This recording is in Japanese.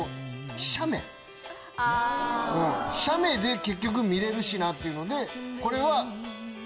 写メで結局見れるしなっていうので。